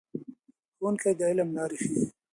ښوونکي د علم لارې ښیي.